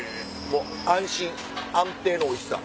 安心安定のおいしさ。